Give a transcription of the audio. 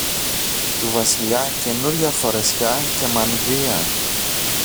του Βασιλιά καινούρια φορεσιά και μανδύα